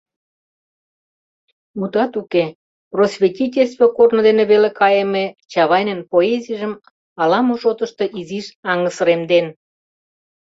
Мутат уке, просветительство корно дене веле кайыме Чавайнын поэзийжым ала-мо шотышто изиш аҥысыремден.